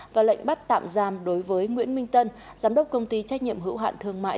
và lệnh bắt tạm giam đối với nguyễn minh tân giám đốc công ty trách nhiệm hữu hạn thương mại